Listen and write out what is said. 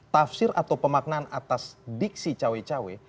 tafsir atau pemaknaan atas diksi cawe cawe